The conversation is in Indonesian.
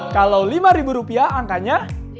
kalau lima ribu rupiah angkanya